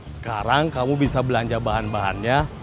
sekarang kamu bisa belanja bahan bahannya